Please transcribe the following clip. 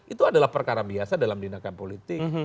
itu adalah perkara biasa dalam dinakan politik